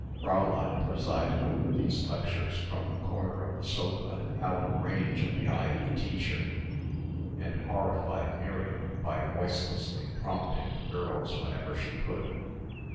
Fräulein presided over these lectures from the corner of the sofa out of range of the eye of the teacher and horrified Miriam by voicelessly prompting the girls whenever she could.